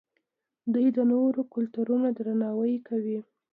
دوی د نورو کلتورونو درناوی کوي.